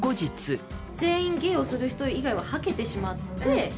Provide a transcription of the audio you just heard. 全員、芸をする人以外ははけてしまって。